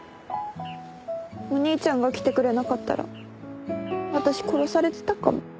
お兄ちゃんが来てくれなかったら私殺されてたかも。